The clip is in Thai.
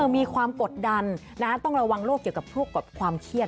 มีความกดดันต้องระวังโรคเกี่ยวกับพวกความเครียด